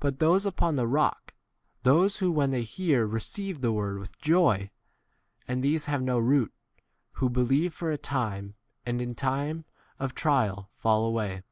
But those upon the rock, those who when they hear receive the word with joy, and these have no root, who believe for a time, and in 14 time of trial fall away.